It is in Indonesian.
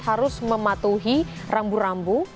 harus mematuhi rambu rambu